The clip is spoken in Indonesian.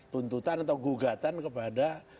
tuntutan atau gugatan kepada